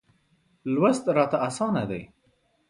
لوست راته اسانه دی.